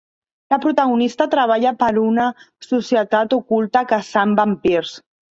La protagonista treballa per a una societat oculta caçant vampirs.